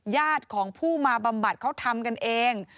ญาติของผู้มาบำบัดเขาทำกันเอง